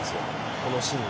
このシーンの。